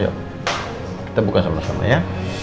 kita bukan sama sama ya